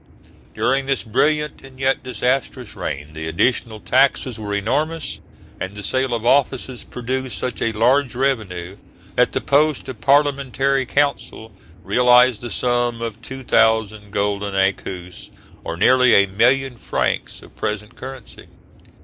During this brilliant and yet disastrous reign the additional taxes were enormous, and the sale of offices produced such a large revenue that the post of parliamentary counsel realised the sum of 2,000 golden écus, or nearly a million francs of present currency.